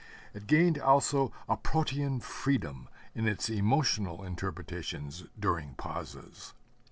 It gained also a Protean freedom in its emotional interpretations during pauses.